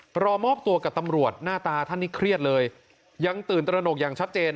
รอมอบตัวกับตำรวจหน้าตาท่านนี้เครียดเลยยังตื่นตระหนกอย่างชัดเจน